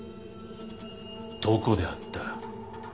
どこで会った？